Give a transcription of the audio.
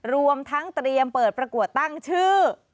รวมทั้งเตรียมเปิดประกวดตั้งชื่อ